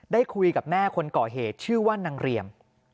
ได้คุยกับแม่คนก่อเหตุชื่อว่านางเรียม